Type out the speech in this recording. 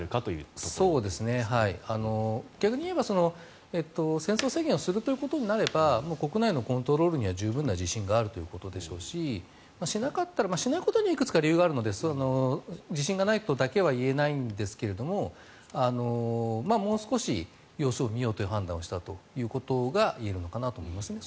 逆に言えば、戦争宣言をするということになればもう国内のコントロールには十分自信があるということでしょうししなかったら、しないことにはいくつか理由があるので自信がないとだけは言えないんですがもう少し、様子を見ようという判断をしたのかと言えるのかなと思いますね